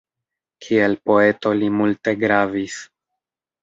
Kiel poeto li multe gravis.